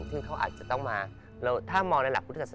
คือเขาอาจจะต้องมาถ้ามองได้หลักพุทธกษณะคือ